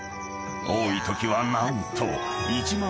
［多いときは何と］